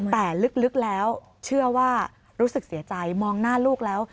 แต่ลึกแล้วเชื่อว่ารู้สึกเสียใจมองหน้าลูกแล้ว